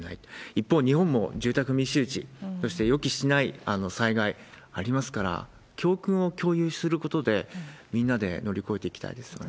一方、日本も住宅密集地、そして予期しない災害ありますから、教訓を共有することで、みんなで乗り越えていきたいですよね。